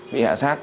bị hạ sát